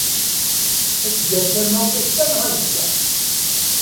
Ad d-tger tamawt ass-a neɣ azekka.